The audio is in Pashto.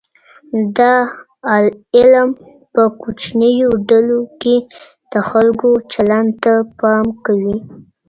دا علم په کوچنیو ډلو کې د خلګو چلند ته پام کوي.